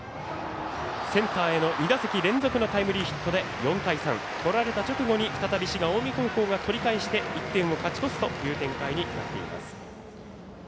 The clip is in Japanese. センターへの２打席連続のタイムリーヒットで４対３取られた直後に再び滋賀、近江高校が取り返して１点を勝ち越すという展開になっています。